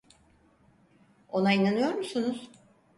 Ona inanıyor musunuz?